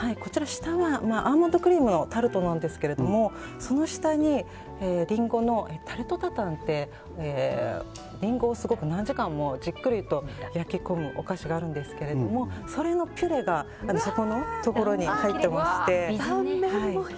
下はアーモンドクリームのタルトなんですがその下にリンゴのタルトタタンというリンゴを何時間もじっくりと焼き込むお菓子があるんですけれどもそれのピュレが底のところに入ってまして。